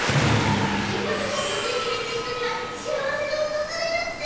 金歯チョコビを手に入れた人には幸せが訪れるって！